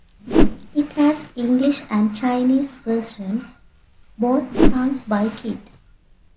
It has English and Chinese versions, both sung by Kit.